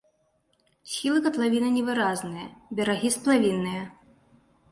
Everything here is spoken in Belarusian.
Схілы катлавіны невыразныя, берагі сплавінныя.